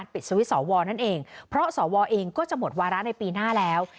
ที่ศวนั่นเองเพราะศวเองก็จะหมดวาระในปีหน้าแล้ว